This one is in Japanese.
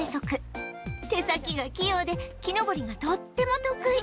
手先が器用で木登りがとっても得意